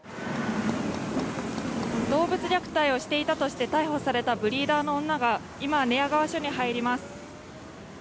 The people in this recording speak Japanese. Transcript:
動物虐待をしていたとして逮捕されたブリーダーの女が今、寝屋川署に入ります。